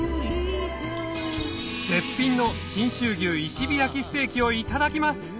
絶品の信州牛石火焼きステーキをいただきます！